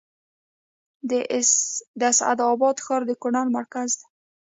د اسعد اباد ښار د کونړ مرکز دی